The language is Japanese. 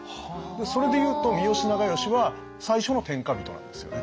それでいうと三好長慶は最初の天下人なんですよね。